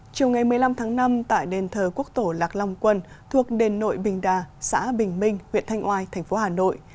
chiều ngày một mươi năm tháng năm tại đền thờ quốc tổ lạc long quân thuộc đền nội bình đà xã bình minh huyện thanh oai thành phố hà nội